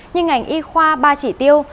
nhưng ngành y khoa ba chỉ tiêu